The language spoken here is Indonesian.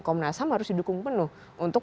komnas ham harus didukung penuh untuk